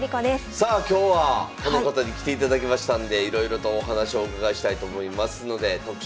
さあ今日はこの方に来ていただきましたんでいろいろとお話をお伺いしたいと思いますので特集まいりましょう。